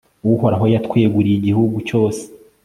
uhoraho yatweguriye igihugu cyose